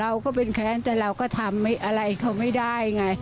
เราก็เป็นแค้นแต่เราก็ทำอะไรเขาไม่ได้ไง